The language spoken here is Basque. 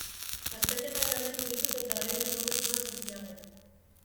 Azterketak amaitu ditut eta orain erromes noa Santiagora.